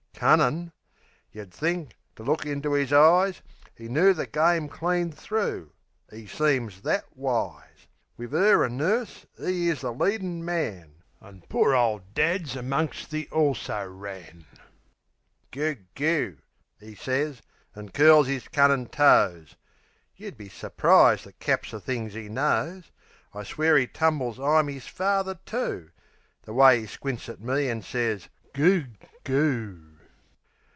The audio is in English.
Cunnin'? Yeh'd think, to look into 'is eyes, 'E knoo the game clean thro'; 'e seems that wise. Wiv 'er 'an nurse 'e is the leadin' man, An' poor ole dad's amongst the "also ran." "Goog, goo," 'e sez, and curls 'is cunnin' toes. Yeh'd be su'prised the 'caps o' things 'e knows. I'll swear 'e tumbles I'm 'is father, too; The way 'e squints at me, an' sez "Goog, goo."